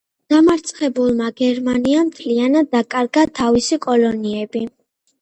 დამარცხებულმა გერმანიამ მთლიანდ დაკარგა თავისი კოლონიები.